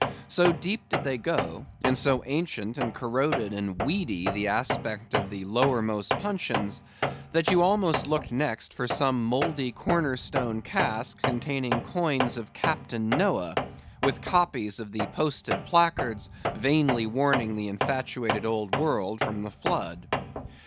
So deep did they go; and so ancient, and corroded, and weedy the aspect of the lowermost puncheons, that you almost looked next for some mouldy corner stone cask containing coins of Captain Noah, with copies of the posted placards, vainly warning the infatuated old world from the flood.